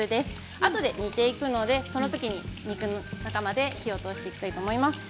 あとで煮ていくので、その時に肉の中まで火を通していきたいと思います。